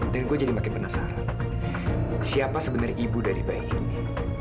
gue jadi makin penasaran siapa sebenarnya ibu dari bayi ini